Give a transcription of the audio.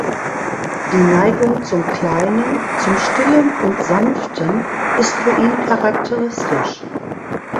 Die Neigung zum Kleinen, zum Stillen und Sanften ist für ihn charakteristisch.